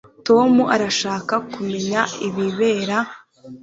Tom arashaka kumenya ibibera